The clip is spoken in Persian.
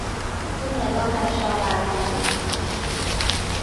او نگاهش را بر ما دوخت.